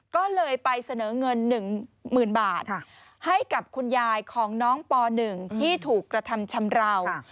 ก็เลยไปเสนอเงิน๑๐๐๐บาทให้กับคุณยายของน้องป๑ที่ถูกกระทำชำราว